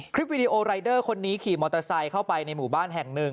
วิดีโอรายเดอร์คนนี้ขี่มอเตอร์ไซค์เข้าไปในหมู่บ้านแห่งหนึ่ง